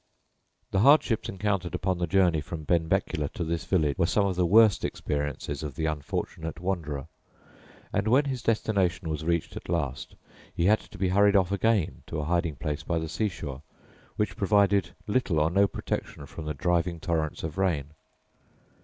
The hardships encountered upon the journey from Benbecula to this village were some of the worst experiences of the unfortunate wanderer; and when his destination was reached at last, he had to be hurried off again to a hiding place by the sea shore, which provided little or no protection from the driving torrents of rain.